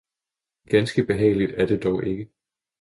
ganske behageligt er det dog ikke!